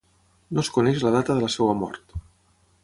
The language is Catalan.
No es coneix la data de la seva mort.